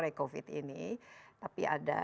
dari covid ini tapi ada